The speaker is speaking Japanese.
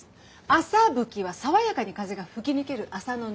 「麻吹」は爽やかに風が吹き抜ける麻の布。